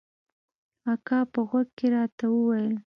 اکا په غوږ کښې راته وويل.